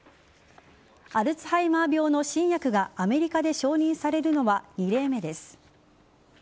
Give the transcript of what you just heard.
アルツハイマー病の新薬がアメリカで承認されるのは２例目です。